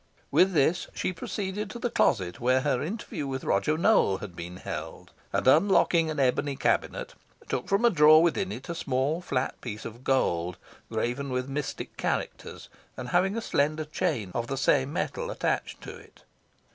With this, she proceeded to the closet where her interview with Roger Nowell had been held; and, unlocking an ebony cabinet, took from a drawer within it a small flat piece of gold, graven with mystic characters, and having a slender chain of the same metal attached to it.